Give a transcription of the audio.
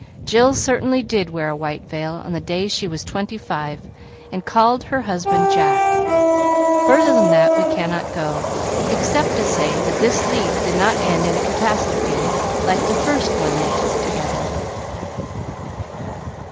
Jill certainly did wear a white veil on the day she was twenty five and called her husband Jack. Further than that we cannot go, except to say that this leap did not end in a catastrophe, like the first one they took together.